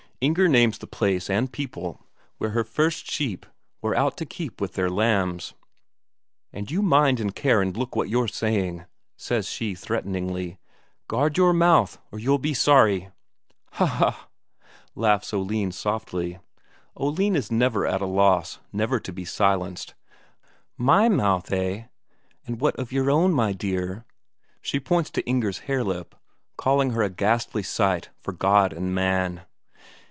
Inger names the place and people where her first sheep were out to keep with their lambs. "And you mind and care and look to what you're saying," says she threateningly. "Guard your mouth, or you'll be sorry." "Ha ha ha!" laughs Oline softly. Oline is never at a loss, never to be silenced. "My mouth, eh? And what of your own, my dear?" She points to Inger's hare lip, calling her a ghastly sight for God and man.